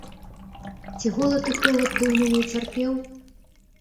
Ці голад і холад ты ў мяне цярпеў?